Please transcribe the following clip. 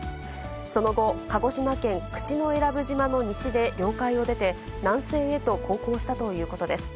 その後、鹿児島県口永良部島の西で領海を出て、南西へと航行したということです。